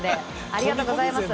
ありがとうございます。